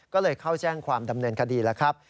ก็เลยเข้าแจ้งความดำเนินคดีแล้วครับ